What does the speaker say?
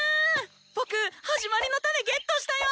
僕「始まりのタネ」ゲットしたよ！